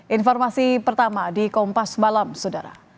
informasi pertama di kompas malam sudara